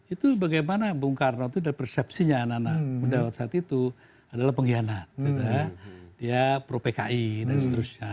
itu bagaimana bung karno itu dari persepsinya anak anak muda saat itu adalah pengkhianat dia pro pki dan seterusnya